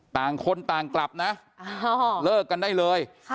ต่างคนต่างกลับนะเลิกกันได้เลย